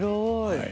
はい。